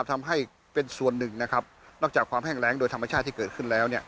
ทำให้เป็นส่วนหนึ่งนะครับนอกจากความแห้งแรงโดยธรรมชาติที่เกิดขึ้นแล้วเนี่ย